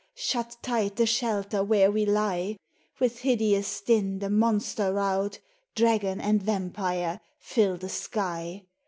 Shut tight the shelter where we lie ! With hideous din the monster rout, Dragon and vampire, fill the sky